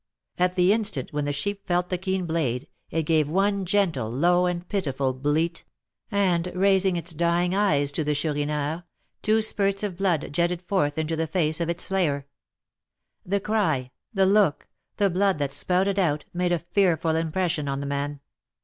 At the instant when the sheep felt the keen blade, it gave one gentle, low, and pitiful bleat, and, raising its dying eyes to the Chourineur, two spurts of blood jetted forth into the face of its slayer. The cry, the look, the blood that spouted out, made a fearful impression on the man.